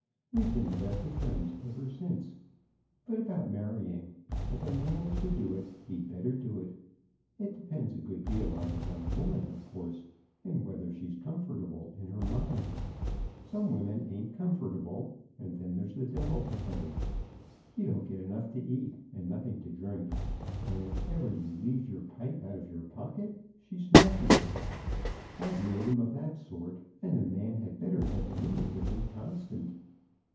We've been the best of friends ever since. But about marrying; if a man is to do it, he'd better do it. It depends a good deal on the young woman, of course, and whether she's comfortable in her mind. Some women ain't comfortable, and then there's the devil to pay. You don't get enough to eat, and nothing to drink; and if ever you leave your pipe out of your pocket, she smashes it. I've know'd 'em of that sort, and a man had better have the rheumatism constant."